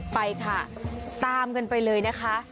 ไปค่ะตามกันไปเลยนะคะ